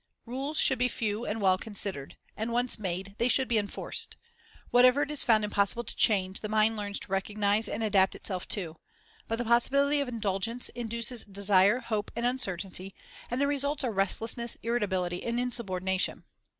Rules should be few and well considered; and when once made, they should be enforced. Whatever it is found impossible to change, the mind learns to recognize and adapt itself to; but the possibility of indulgence induces desire, hope, and uncertainty, and the results are restlessness, irritability, and insubordination.